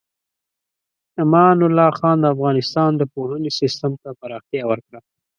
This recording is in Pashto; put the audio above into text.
امان الله خان د افغانستان د پوهنې سیستم ته پراختیا ورکړه.